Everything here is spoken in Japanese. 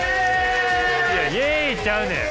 いやイエイちゃうねん。